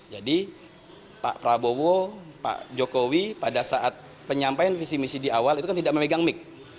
jadi pak prabowo pak jokowi pada saat penyampaian visi misi di awal itu kan tidak memegang mic